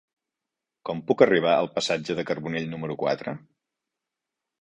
Com puc arribar al passatge de Carbonell número quatre?